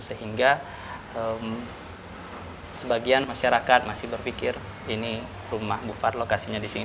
sehingga sebagian masyarakat masih berpikir ini rumah bupatinya di sini